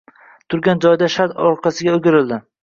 Turgan joyida shart orqasiga o‘girildi